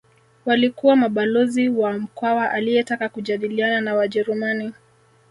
Walikuwa mabalozi wa Mkwawa aliyetaka kujadiliana na Wajerumani